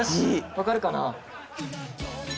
わかるかな？